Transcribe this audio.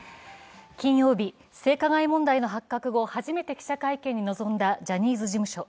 金曜日、性加害の発覚後、初めて記者会見に臨んだジャニーズ事務所。